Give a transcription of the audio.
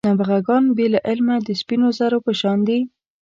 نابغه ګان بې له علمه د سپینو زرو په شان دي.